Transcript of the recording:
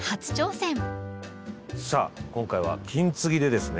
さあ今回は金継ぎでですね